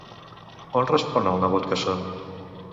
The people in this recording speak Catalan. On respon el nebot que són?